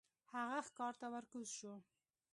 هغه ښکار ته ور کوز شو.